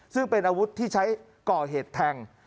ซึ่งเป็นอาวุธที่ใช้ก่อเหตุแทง